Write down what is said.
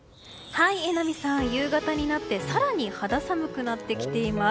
夕方になって更に肌寒くなってきています。